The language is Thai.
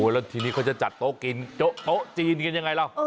แล้วทีนี้เขาจะจัดโต๊ะกินโต๊ะจีนกันยังไงล่ะ